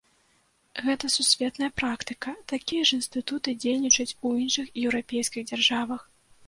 Гэта сусветная практыка, такія ж інстытуты дзейнічаюць у іншых еўрапейскіх дзяржавах.